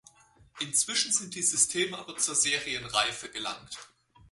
Inzwischen sind die Systeme aber zur Serienreife gelangt.